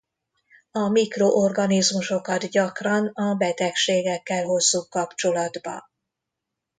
A mikroorganizmusokat gyakran a betegségekkel hozzuk kapcsolatba.